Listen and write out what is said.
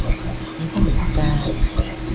你得唔得㗎？